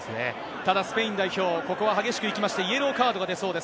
ただ、スペイン代表、ここは激しくいきまして、イエローカードが出そうです。